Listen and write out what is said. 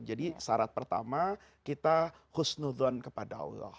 jadi syarat pertama kita husnudhan kepada allah